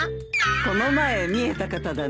この前みえた方だね。